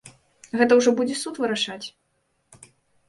Гэта ўжо будзе суд вырашаць.